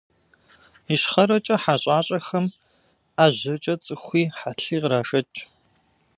Ищхъэрэкӏэ хьэ щӏащӏэхэм ӏэжьэкӏэ цӏыхуи хьэлъи кърашэкӏ.